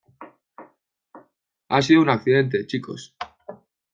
Ha sido un accidente, chicos.